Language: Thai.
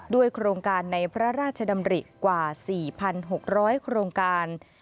โครงการในพระราชดำริกว่า๔๖๐๐โครงการ